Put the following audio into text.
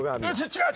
違う！